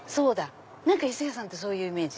伊勢屋さんってそういうイメージ。